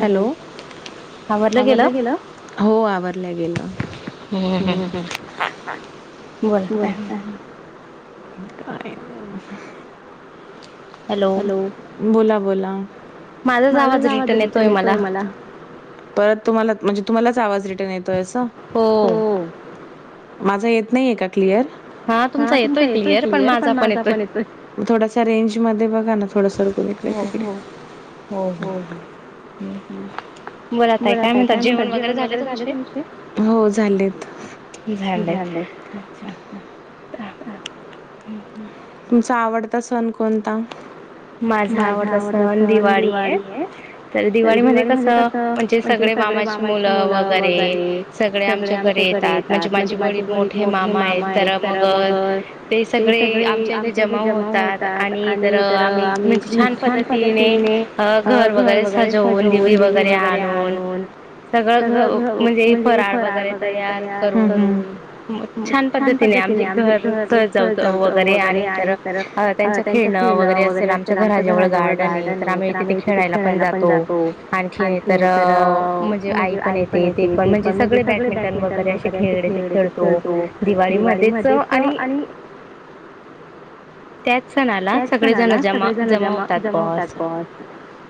Hello. आवरलं गेलं हो आवरल्या गेलं. हम्म हम् बोल. हॅलो बोला बोला. माझाच आवाज रिटर्न येतोय मला परत तुम्हाला म्हणजे तुम्हालाच आवाज रिटर्न येतोय अस हो माझा येत नाही आहे का क्लियर हा तुमचा येतोय क्लिअर पण माझा पण येतोय थोडासा रेंज मध्ये बघा ना थोडस लक इकडे तिकडे बरता आहे काय म्हणतात जेवण वगैरे झाले तुमचे हो झालेत झाड अच्छा तुमचा आवडता सण कोणता माझा आवडता सहण दिवाळी आहे तर दिवाळी मध्ये कस म्हणजे सगळे मामाची मुलं वगैरे सगळे आमच्या घडे येतात म्हणजे माझे वडील मोठे मामा आहेत तर मग ते सगळे आमच्या इथे जमा होतात आणि तर म्हणजे छान पद्धतीने घर वगैरे सजवून दिवीळी वगैरे आणून सगळं घ म्हणजे फराळ वगैरे तयार करून छान पद्धतीने आम घर स जावत वगैरे तर त्यांच खेळणं वगैरे आमच्या घरा जेवढ गार्डन आहे तर आम्ही तिथे खेळायला पण जातो आणखी तर म्हणजे आई पण येते ते पण म्हणजे सगळे बॅडमिंटन वगैरे असे खेळ खेळतो दिवाळी मच आणि त्याच सण आला सगळे जण जमा जमावतात बस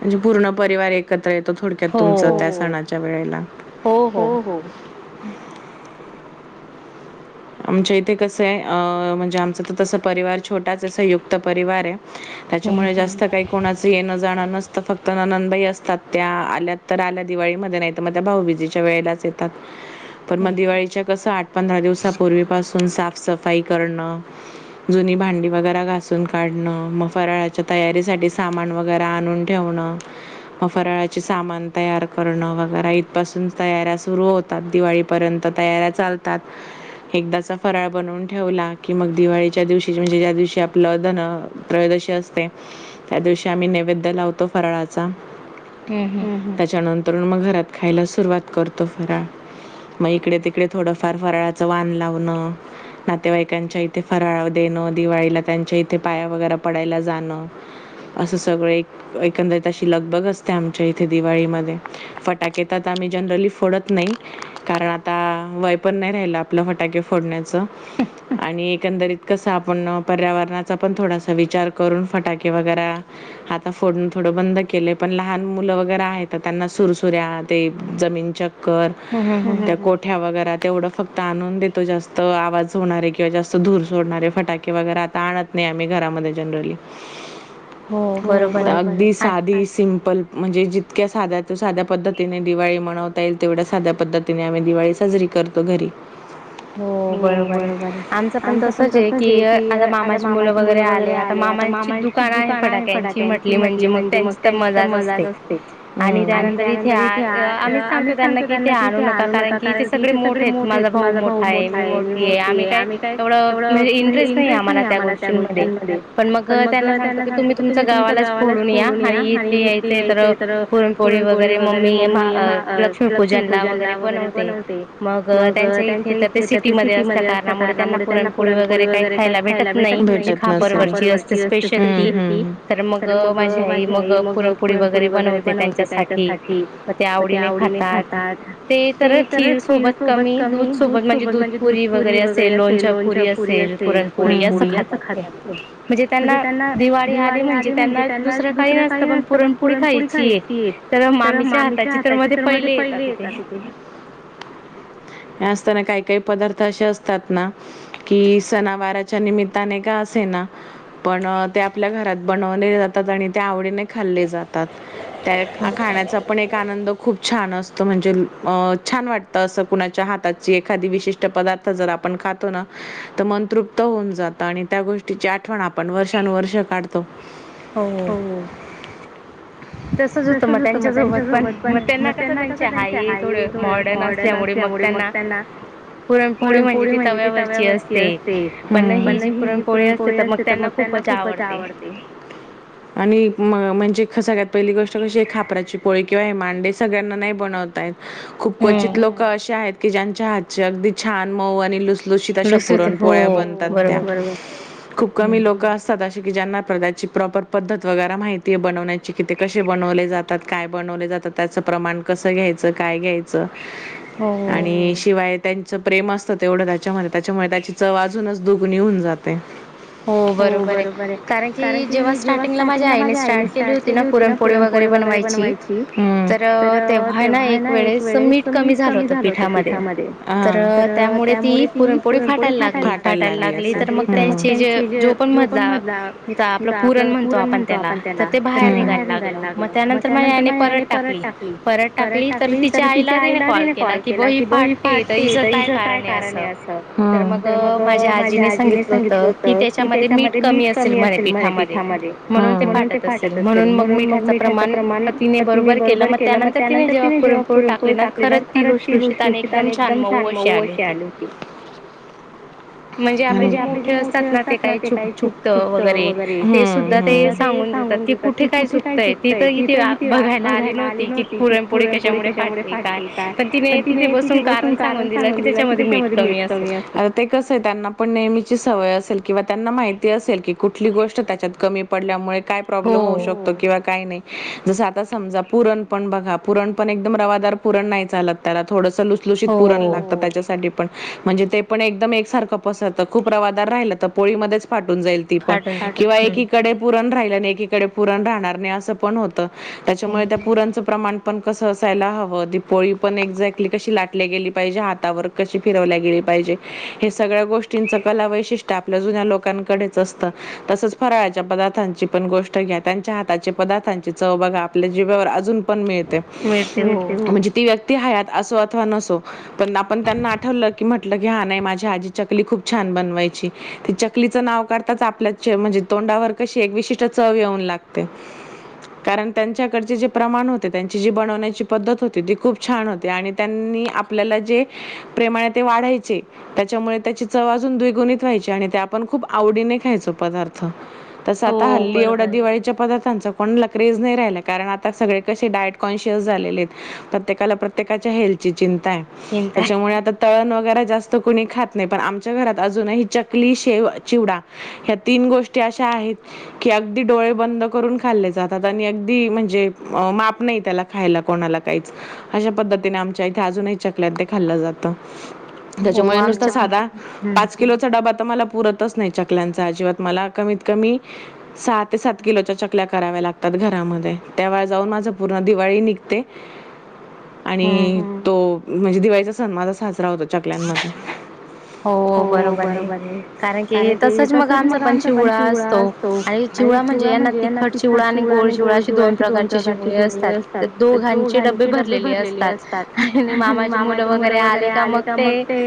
म्हणजे पूर्ण परिवार एकत्र येतो थोडक्यात तुमच त्या सणाच्या वेळेला हो हो आमच्या इथे कसं आहे अ म्हणजे आमच तर तस परिवार छोटाचसा युक्त परिवार आहे त्याच्यामुळे जास्त काही कोणाच येणं जाणं नसतं फक्त नननबाई असतात त्या आल्या तर आल्या दिवाळीमध्ये नाही ग त्या भाऊबीजेच्या वेळेलाच येतात पण मग दिवाळीच्या कस आठ पंधरा दिवस सुून साफ सफाई करणं जुनी भांडी वगैरे घासून काढणं मग फराळाच्या तयारी साठी सामान वगैरे आणून फराळाचे सामान तयार करणं वग इथपासून तयाऱ सुरत दिवाळीपर्यंत तयाऱ्या चालतात एकदाचा फराळ बनवून ठेवला की मग दिवाळीच्या दिवशी म्हणजे ज्या दिवशी आपलं धन त्रयदशी असते त्या दिवशी आम्ही नैवेद्य लावतो फराळाचा त्याच्यानंतर मग घरात खायला सुरुवात करतो फरा मग इकडे तिकडे थोडंफार फराळाचं वान लावणं नातेवाईकांच्या इथे फराळ देणं दिवाळीला त्यांच्या इथे पाया वगैरे पडायला जाणं असं सगळं एक एकंदरीत अशी लगबग असते आमच्या इथे दिवाळीमध्ये फटाकेेत आम्ही जनरली फोडत नाही कारण आता वय पण नाही राहिला आपला फटाके फोडण्याचं आणि एकंदरीत कसं आपण पर्यावरणाचा पण थोडासा विचार करून फटाके वगैर आता फोडण थोडं बंद केलं पण लहान मुलं वगैरे आहे तर त्यांना सुरसुऱ्या ते जमीनच्या त्या कोठ्या वगैर तेवढं फक्त आणून देतो जास्त आवाज होणारे किंवा जास्त धूर सोडणारे फटाके वगैरे आता आणत नाही आम्ही घरामध्ये जनरली अगदी साधी सिंपल म्हणजे जितक्या साध्या साध्या पद्धतीने दिवाळी म्हनवता येईल तेवढ्या साध्या पद्धतीने आम्ही दिवाळी साजरी करतो घरी हो बरोबर आहे आमचं पण तसच आहे की आता मामाची मुलं वगैरे आले आता मामाची दुख दुकान आहे फटाक्यांची म्हटली म्हणजे म त्यांची तर मजाच असते आणि त्यानंतर इथे आम्हीच सांगतो त्यांना की इथे आणू नका कारण की इथे सगळे मोठ आहेत माझा भाऊ मोठ मोठ आहे मी मोठी आहे आम्ही काय एवढं म्हणजे इंटरेस्ट नाही आम्हाला त्या गोष्टींमध्ये पण मग त्यांना सांगत की तुम्ही तुमच्या गावालाच फोडून या आणि इथे यायचे तर पुरणपोळी वगैरे मम्मी लक्ष्मीपूजन ला वगैरे बनवते मग त्यांच्या सिटी अस कारमुळे त्यांना पुरणपोळी वगैरे काही खायला भेट तर मग माझी आई मग पुरणपोडी वगरे बनते त्यांच्यासाठी ते आवडीने खातात ते तर खीर सोबत कमी दूध सोबत म्हणजे दूधप पुरी वगैरे असेल लोणच्या पुुरी असेल पुरणपोरी असं खातात म्हणजे त्यांना दिवाळी आध म्हणजे त्यांना दुसरं काही नसतं पण पुरणपोळी खायची आहे तर मामीच्या हाताचे तर मध्ये पहिले येतात तिथे असना काही काही पदार्थ असे असतात ना कि सनावारच्या निमित्ताने का असे ना पण ते आपल्या घरात बनवले जातात आणि ते आवडीने खाल्ले जातात त्या खा पण एक आनंद खूप छान असतो म्हणजे छान वाटतं असं कुणाच्या हात त्याची एखादी विशिष्ट पदार्थ जर आपण खातो ना तर मन तृप्त होऊन जातं आणि त्या गोष्टीची आठवण आपण वर्षानुवर्ष काढतो हो हो तसच होतं मग त्यांच्यासोबत पण मग त्यांना कस त्यांचे हा थोड मॉडर्न असल्यामुळे मग त्यांना पुरणपोळी म्हणजे ती तव्यावरची असते पण ही जी पुरणपोळी असते तर मग त्यांना खूपच आवडते आणि म म्हणजे सगळ्यात पहिली गोष्ट कशी आहे खापराची पोळी किंवा हे मांडे सगळ्यांना नाही बनवताय खूप क्वचित लोक असशे आहेत की ज्यांच्या हातचे अगदी छान मऊ आणि लुस दूषित अशा पुरण पोळ्या बनतात त्या खूप कमी लोक सदा क जपची प्रॉपर पद्धत वगैरे माहिती आहे बनवण्याची क ते कसे बनवले जात त्या काय बनवले जातात त्याचं प्रमाण कसं घ्यायचं काय घ्यायचं आणि शिवाय त्यांचं प्रेम असतं तेवढं त्याच्यामध्ये त्याच्यामुळे त्याची चजूनच दुगणीऊन जाते हो बरोबर आहे कारण की जेव्हा स्टार्टिंगला माझा आहे मी स्टार्ट केली होती ना पुरणपोळी वगैरे बनवायची तर तेव्हा ना एक वेळेस तर मीठ कमी झालं पीठामध्ये तर त्यामुळे ती पुरणपोळी फाटाय फाटायला लागली तर मग त्यांचे जे जो पण मधला आपलं पुरण म्हणतो आपण त्यांना तर ते बाहेर निघायला लाग मग त्यानंतर मग याने परत टाकली परत टाकली तर तिच्या आईला तिने कॉल केला कि बॉ ही फाटते हे त ईच काय कारण आहे अस मग माझ्या आजीने सांगितल होत की त्याच्यामध्ये मीठ कमी असेल म्हणे पिठामध्ये म्हणून ते फाट त असेल म्हणून म मीठ प्रमाण तिने बरोबर केलं मग त्यानंतर तिने जेवा पुरणपोळी टाकली ना खरंच ती लुष लुशीत आणि एकदम छान मऊ अशी आली होती. म्हणजे आपले जे मो कुठे असतात ना ते काही चुक चुकत वगैरे ते सुद्धा ते सांगून देतात की कुठे काय चुक य ती तर इथती बघायला आली नव्हती की पुरणपोळी कशामुळे फटते काय पण तिने तिथे बसून कारण सांगून दिलं की त्याच्यामध्ये मीठ कमी असेल. आता ते कसं आहे त्यांना पण नेहमीची सवय असेल किंवा त्यांना माहिती असेल की कुठली गोष्ट त्याच्यात कमी पडल्यामुळे काय प्रॉब्लेम होऊ शकतो किंवा काही नाही. जस आता समजा पुरण पण बघा पुरण पण एकदम रवादार पुरण नाही चालत त्याला थोडंस लुसलुशीत पुराण लागतं त्याच्यासाठी म्हणजे ते पण एकदम एकसारखं पसरत खूप रवादार राहिल तर पोळी मध्येच फाटुन जाईल ते पण किंवा एकीकडे पुरण राहिलं नाही एकीकडे पुरण राहणार नाही असं पण होत. त्याच्यामुळे त्या पुरण प्रमाण पण कसं असायला हवं ती पोळी एली कशी लाट गेली पाहिजे हातावर कशी फिरवल्या गेली पाहिजे हे सगळ्या गोष्टी ष्टींच कला वैशिष्ट्य आपल्या जुन्या लोकांकडेच असतं तसच फराळच्या पदार्थांची पण गोष्ट घ्या त्यांच्या हाताचे पदार्थांची चव बघा आपल्या जीभेवर अजून मिळ म्हणजे ती व्यक्ती हयात असो अथवा नसो पण आपण त्यांना आठवलं की म्हटलं की हा नाही माझी आजी चकली खूप छान बनवायची ती च चकलीच नाव काताच आपल्या म्हणजे तोंडावर कशी एक विशिष्ट चव येऊन लागते. कारण त्यांच्याकडचे जे प्रमाण होते त्यांची जी बनवण्याची पद्धत होती ती खूप छान होते आणि त्यांनी आपल्याला जे प्रेमाणे ते वाढायचे त्याच्यामुळे त्याची चवजून द्विगुणित व्हायची आणि त्या आपण खूप आवडीने खायचो पदार्थ तसं आता हल्ली एवढा दिवाळीच्या पदारथांचां कोण लकेज नाही राहिला कारण आता सगळे कसे डायट कॉन्शियस झालेले आहेत. प्रत्येकाला प्रत्येकाच्या हेल्थ ची चिंता त्याच्यामुळे आता तळण वगैरे जास्त कोणी खात नाही पण आमच्या घरात अजूनही चकली शेव चिवडा हया तीन गोष्टी अशा आहेत की अगदी डोळे बंद करून खाल्ले जातात आणि अगदी म्हणजे माप नाही त्याला खायला कोणाला काही. अश्या पद्धतीने आमच्या इथे अजूनही चकल्यात ते खाल्लं जात. त्याच्यामुळे नुसता साधा पाच किलोचा डबा मला पुरतच नाही चकल्यांचा अजिबात मला कमीत कमी सहा ते सात किलोच्या चकल्या कराव्या लागतात घरामध्ये त्यावे जाऊन माझ पूर्ण दिवाळी निघते आणि तो म्हणजे दिवाळीचा सन् माझा साजरा होत चकल्यांमध्ये. हो बरोबर आहे कारण की तसच मग आमचा पण चिवडा आणि चिवळा म्हणजे यांना तिखट चिवळा आणि गोळ चिवळा अशे दोन प्रकारचे चिवळे अस तात तर दोघांचे डबे भरलेले असतात मामा चे मुल वैगेरे आले का मग ते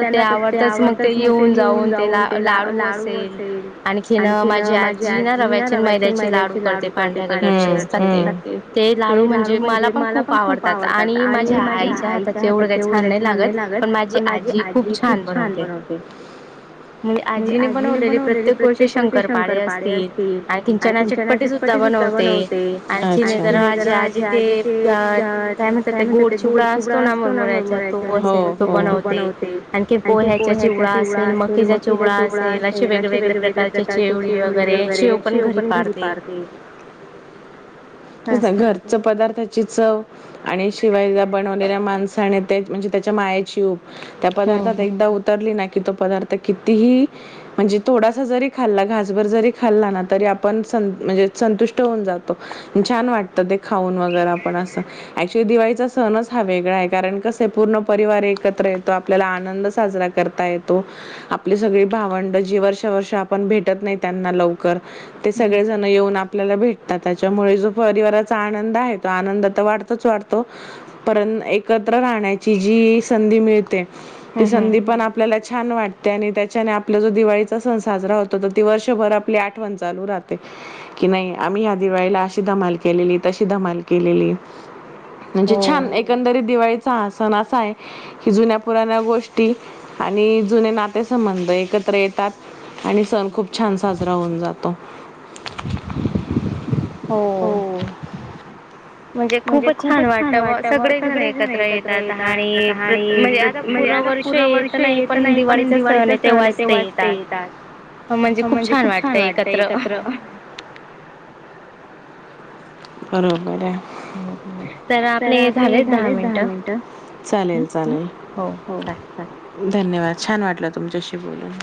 त्या आवडतच मग ते येऊन जाऊन ते ला लाडू असल आणखी मा माझी आजी ना रव्याचे मैद्याचे लाडू करते ते लाडू म्हणजे मला पण खूप आवडतात आणि माझ्या आईच्या हातात तेवढं का छान नाही लागत पण माझी आ जी खूप छान बनवते. म आजीने बनवलेली प्रत्येक वर्षी शंकरपाळे असतील आणि तिच्या ना चिटपटी सुद्धा बनवते आणि तिने जर माझी आजी ते त्या काय म्हणत ते गोड चुबडा असतो ना मुरमुऱ्याचा ते बनवते. आणि ते पोह्याचा चिवडा असेल मकीचा चिवडा असेल असे वेगवेगळे प्रकारचे चिवडी वगैरे शेव पण घरी पारते हा स च पदार्थाची चव आणि शिवाय बनवलेल्या माणसाने म्हणजे त्याच्या मायाेची उप त्या पदार्थात एकदा उतरली ना कि तो पदार्थ कितीही म्हणजे थोडासा जरी खाल्ला घासभर जरी खाल्ला ना तरी आपण म्हणजे संतुष्ट होऊन जातो. छान वाटतं ते खाऊन वगैरे पण असं. क्च्युली दिवाळीचा सणच हा वेगळा आहे कारण कस पूर्ण परिवार एकत्र येतो आपल्याला आनंद साजरा ता येतो आपली सगळी भावंड जी वर्ष वर्ष आपण भेटत नाही त्यांना लवकर ते सगळे जण येऊन आपल्याला भेटतात त्याच्यामुळे जो परिवाराचा आनंद आहे. त आनंद तर वाटतच वाटतो पण एकत्र राहण्याची जी संधी मिळते. ती संधी पण आपल्याला छान वाटते आणि त्याच्याने आपला जो दिवाळीचा सण साजरा होतो तर ती वर्षभर आपली आठ ठ चालू राह की नाही आम्ही या दिवाळीला अशी धमाल केलेली तशी धमाल केलेली म्हणजे छान एकंदरीत दिवाळीचा सण असा आहे. हि जुन्या पुराण्या गोष्टी आणि जुने नाते संंबंध एकत्र येतात. आणि सण खूप छान साजरा होऊन जातो. हो. म्हणजे खूपच छान वाटत सगळेजण एकत्र येतात आणि प्र म्हणजे पूर्ण वर्ष येत नाही पण दिवाळीचा सण आहे तेव्हाच ते येतात म्हणजे खूप छान वाटतय एकत्र बरोबर आहे तर आपले हे झाले दहा मिनट चालेल चालेल. हो धन्यवाद छान वाटलं तुमच्याशी बोलून